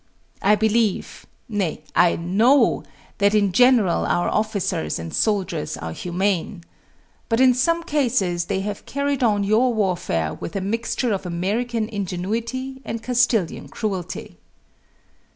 I believe nay, I know that in general our officers and soldiers are humane. But in some cases they have carried on your warfare with a mixture of American ingenuity and Castilian cruelty.